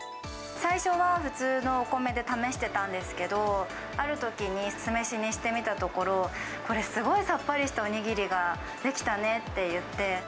最初は普通のお米で試してたんですけど、あるときに、酢飯にしてみたところ、これ、すごいさっぱりしたお握りが出来たねっていって。